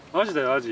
アジ。